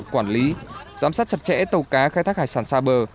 quản lý giám sát chặt chẽ tàu cá khai thác hải sản xa bờ